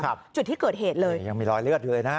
ครับจุดที่เกิดเหตุเลยเนี่ยยังมีรอยเลือดเลยนะ